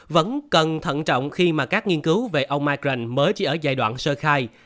vẫn cần thận trọng khi mà các nghiên cứu về omicron mới chỉ ở giai đoạn sơ khai